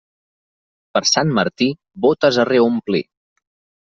Per Sant Martí, bótes a reomplir.